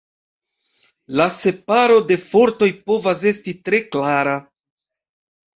La separo de fortoj povas esti tre klara.